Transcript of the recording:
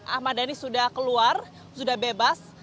dua ribu dua puluh ahmad dhani sudah keluar sudah bebas